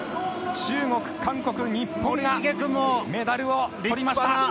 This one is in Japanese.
中国、韓国、日本がメダルを取りました。